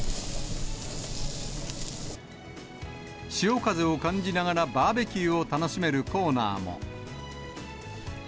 潮風を感じながらバーベキューを楽しめるコーナーも。